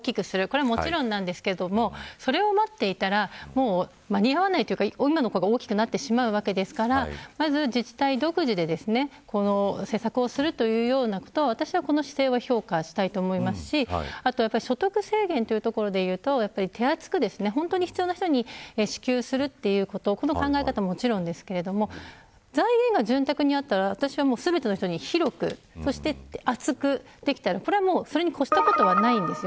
これはもちろんですがそれを待っていたら間に合わないというか大きくなってしまうのでまず自治体独自で政策をするというようなことを私はその姿勢を評価したいと思いますし所得制限というところでいうと手厚く本当に必要な人に支給するということこの考え方は、もちろんですが財源が潤沢にあったら全ての人に広く、そして厚くできたらそれに越したことはないんです。